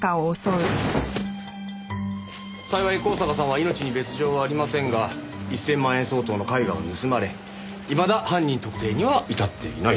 幸い香坂さんは命に別条はありませんが１０００万円相当の絵画を盗まれいまだ犯人特定には至っていないと。